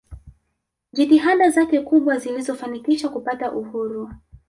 jitihada zake kubwa zilizo fanikisha kupata uhuru